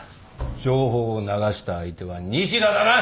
情報を流した相手は西田だな！